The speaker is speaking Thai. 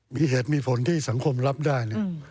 มีเหตุมีผลที่สังคมรับได้